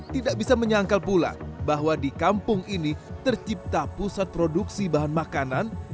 tidak bisa menyangkal pula bahwa di kampung ini tercipta pusat produksi bahan makanan